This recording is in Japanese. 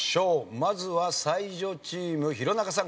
まずは才女チーム弘中さん